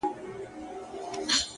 اوس يــې آهـونـــه په واوښتـل!!